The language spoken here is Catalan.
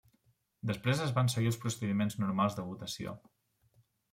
Després es van seguir els procediments normals de votació.